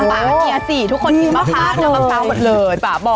น้ำมะพร้าวนี่สิทุกคนกินมะพร้าวน้ำมะพร้าวหมดเลย